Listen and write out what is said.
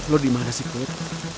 lo dimana sih kud